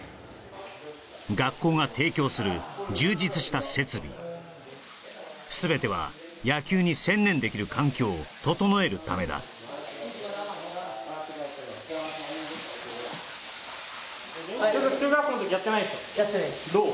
学校が提供する充実した設備全ては野球に専念できる環境を整えるためだどう？